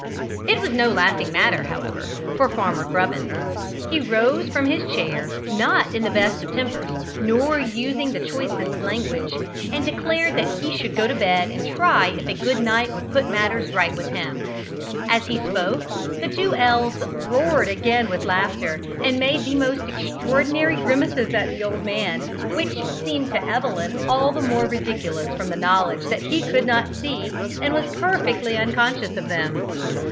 It was no laughing matter, however, for Farmer Grubbins. He rose from his chair, not in the best of tempers, nor using the choicest language, and declared that he should go to bed and try if a good night would put matters right with him. As he spoke, the two elves roared again with laughter, and made the most extraordinary grimaces at the old man, which seemed to Evelyn all the more ridiculous from the knowledge that he could not see and was perfectly unconscious of them.